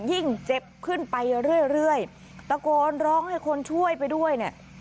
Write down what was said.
ยิ่งเจ็บขึ้นไปเรื่อยตะโกนร้องให้คนช่วยไปด้วยเนี่ย